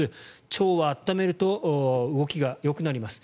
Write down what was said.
腸は温めると動きがよくなります。